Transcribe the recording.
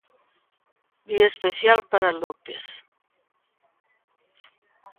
Día especial para López.